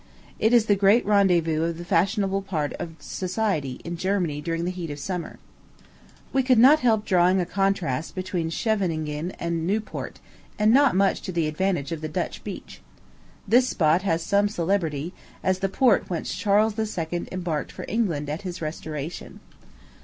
It is the great rendezvous of the fashionable part of society in Germany during the heat of summer. We could not help drawing a contrast between Scheveningen and Newport, and not much to the advantage of the Dutch beach. This spot has some celebrity, as the port whence Charles II. embarked for England at his restoration.